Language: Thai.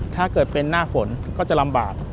ถ้าเกิดเป็นหน้าฝนก็จะลำบาก